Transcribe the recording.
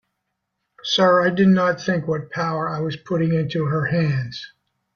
Sir, I did not think what power I was putting into her hands.